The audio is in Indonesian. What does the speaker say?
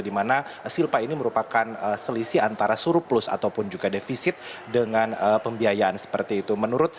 dimana silpa ini merupakan selisih antara surplus ataupun juga defisit dengan pembiayaan seperti itu